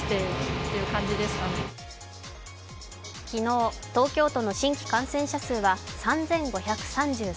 昨日東京都の新規感染者数は３５３３人。